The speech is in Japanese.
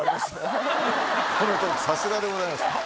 さすがでございます。